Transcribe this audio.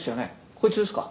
こいつですか？